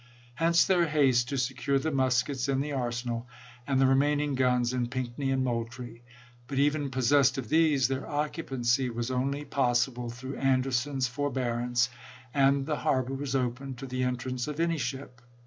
Hence their haste to secure the muskets in the arsenal and the remaining guns in Pinckney and Moultrie ; but even possessed of these, their occupancy was only possible through Anderson's forbearance, and the harbor was open to the entrance of any ship.